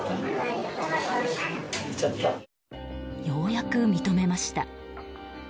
ようやく認めました。